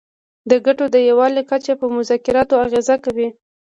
د ګټو د یووالي کچه په مذاکراتو اغیزه کوي